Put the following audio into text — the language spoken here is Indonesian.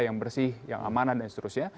yang bersih yang amanah dan seterusnya